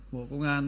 bộ công an